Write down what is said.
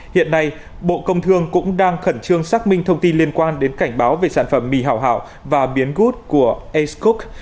hiện nay bộ công thương cũng đang khẩn trương xác minh thông tin liên quan đến cảnh báo về sản phẩm mì hảo và biến gút của ace gook